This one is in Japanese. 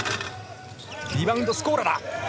リバウンド、スコーラだ。